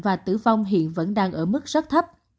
và tử vong hiện vẫn đang ở mức rất thấp